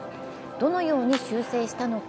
どのように修正したのか。